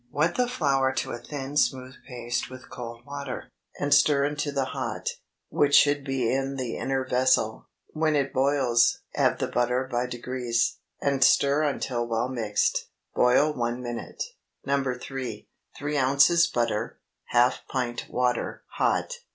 Wet the flour to a thin smooth paste with cold water, and stir into the hot, which should be in the inner vessel. When it boils, add the butter by degrees, and stir until well mixed. Boil one minute. NO. 3. 3 ounces butter. Half pint water (hot).